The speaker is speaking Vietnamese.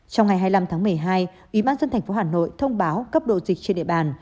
trong ngày hai mươi năm tháng một mươi hai ủy ban dân thành phố hà nội thông báo cấp độ dịch trên địa bàn